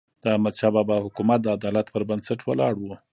د احمدشاه بابا حکومت د عدالت پر بنسټ ولاړ و.